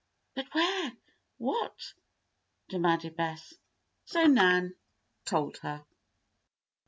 "But where what?" demanded Bess. So Nan told her.